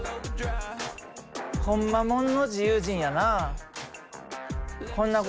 ほんまもんの自由人やな。